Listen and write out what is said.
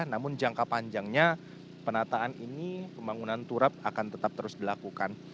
namun jangka panjangnya penataan ini pembangunan turap akan tetap terus dilakukan